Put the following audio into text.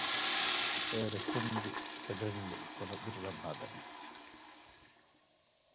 It is poorly soluble in water.